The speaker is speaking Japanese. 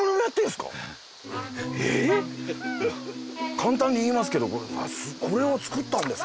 簡単に言いますけどこれを作ったんですか？